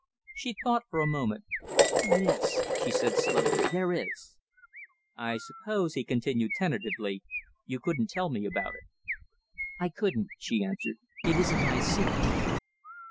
She thought for a moment. "Yes!" she said slowly, "there is." "I suppose," he continued tentatively, "you couldn't tell me all about it?" "I couldn't," she answered. "It isn't my secret."